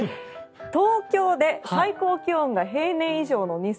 東京で最高気温が平年以上の日数